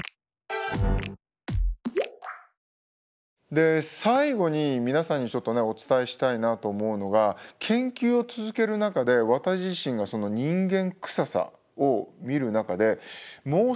で最後に皆さんにちょっとねお伝えしたいなと思うのが研究を続ける中で私自身がその人間くささを見る中でもう少し何でしょうね